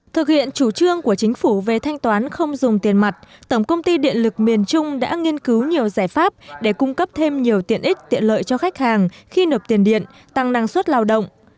thực hiện chủ trương của chính phủ về thanh toán không dùng tiền mặt tổng công ty điện lực miền trung đã nghiên cứu nhiều giải pháp để cung cấp thêm nhiều tiện ích tiện lợi cho khách hàng khi nộp tiền điện tăng năng suất lao động